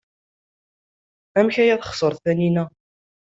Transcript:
Amek ay texṣer Taninna?